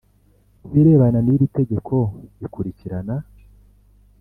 Ku birebana n iri tegeko ikurikirana